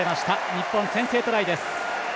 日本、先制トライです。